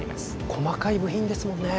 細かい部品ですもんね。